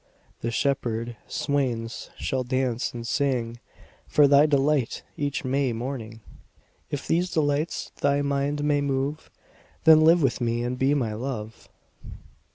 20 The shepherd swains shall dance and sing For thy delight each May morning: If these delights thy mind may move, Then live with me and be my Love.